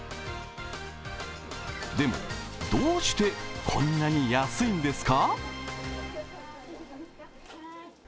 でも、どうしてこんなに安いんですか？